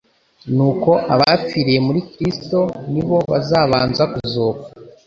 Nuko abapfiriye muri Kristo ni bo bazabanza kuzuka."